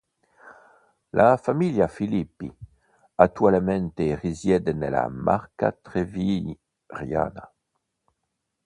La famiglia Filippi attualmente risiede nella Marca Trevigiana.